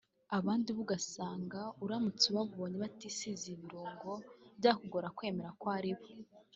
Abandi bo ugasanga uramutse ubabonye batisize ibirungo byakugora kwemera ko aribo